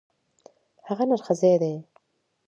هغه نرښځی دی.